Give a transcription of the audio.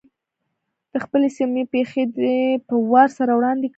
د خپلې سیمې پېښې دې په وار سره وړاندي کړي.